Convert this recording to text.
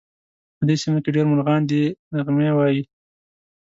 په دې سیمه کې ډېر مرغان دي نغمې وایې